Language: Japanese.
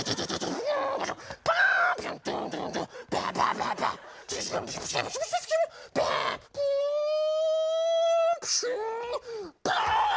バーン！